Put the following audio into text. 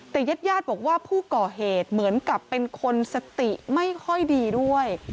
แต่ญาติญาติบอกว่าผู้ก่อเหตุเหมือนกับเป็นคนสติไม่ค่อยดีด้วย